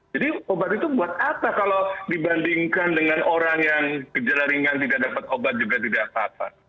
jadi obat itu buat apa kalau dibandingkan dengan orang yang gejela ringan tidak dapat obat juga tidak apa apa